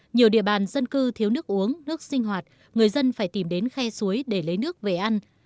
nhiều địa bàn dân cư thiếu nước uống nước sinh hoạt người dân phải tìm đến khe suối để lấy nước về ăn